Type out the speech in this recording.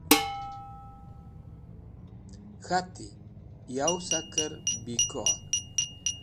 K̃hati: “Yow saker bẽkor?”